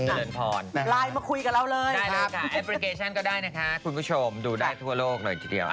เจริญพรไลน์มาคุยกับเราเลยนะครับแอปพลิเคชันก็ได้นะคะคุณผู้ชมดูได้ทั่วโลกเลยทีเดียว